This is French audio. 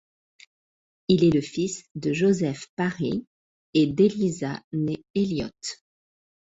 Il est le fils de Joseph Parry et d’Eliza née Elliott.